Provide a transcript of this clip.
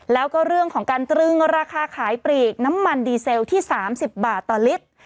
แล้วก็เรื่องของการตรึงราคาขายปลีกน้ำมันดีเซลที่๓๐บาทต่อลิตร